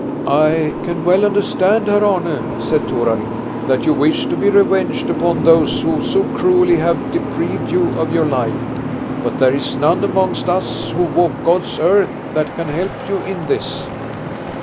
"I can well understand, Herr Arne," said Torarin, "that you wish to be revenged upon those who so cruelly have deprived you of your life. But there is none amongst us who walk God's earth that can help you in this."